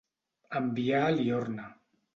Enviar a Liorna.